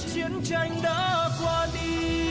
chiến tranh đã qua đi